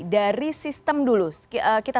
dari sistem dulu kita